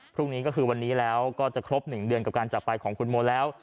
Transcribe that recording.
พรุ่งนี้ก็คือวันนี้แล้วก็จะครบ๑เดือนกับการจักรไปของคุณโมแล้ว